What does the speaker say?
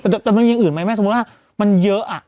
แต่มันมีอย่างอื่นไหมแม่สมมุติว่ามันเยอะ